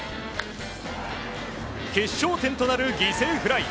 決勝点となる犠牲フライ。